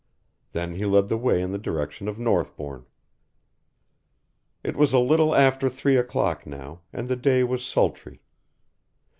Then he led the way in the direction of Northbourne. It was a little after three o'clock now, and the day was sultry.